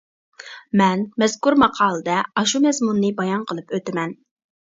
مەن مەزكۇر ماقالىدە ئاشۇ مەزمۇننى بايان قىلىپ ئۆتىمەن.